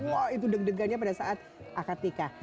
wah itu deg degannya pada saat akad nikah